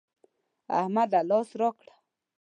احمده! لاس راکړه.